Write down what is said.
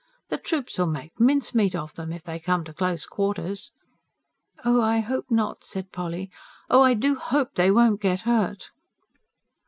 The troops 'ull make mincemeat of 'em, if they come to close quarters." "Oh, I hope not!" said Polly. "Oh, I do hope they won't get hurt."